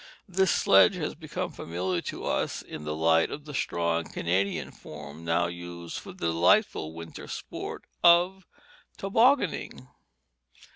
This sledge has become familiar to us in the light and strong Canadian form now used for the delightful winter sport of tobogganing.